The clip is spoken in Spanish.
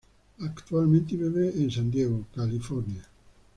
Actualmente vive en San Diego, California.